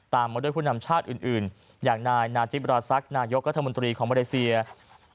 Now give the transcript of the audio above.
มาด้วยผู้นำชาติอื่นอย่างนายนาจิบราซักนายกรัฐมนตรีของมาเลเซีย